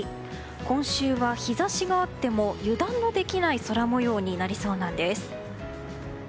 今週は、日差しがあっても油断のできない空模様になりそうなんです。